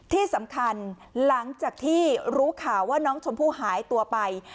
ที่สำคัญหลังจากที่รู้ข่าวว่าน้องชมพู่หายตัวไป